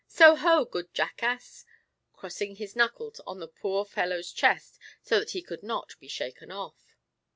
So ho! good jackass," crossing his ankles on the poor fellow's chest so that he could not be shaken off.